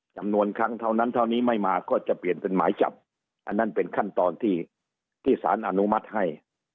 จำนวนครั้งเท่านั้นเท่านี้ไม่มาก็จะเปลี่ยนเป็นหมายจับอันนั้นเป็นขั้นตอนที่ที่สารอนุมัติให้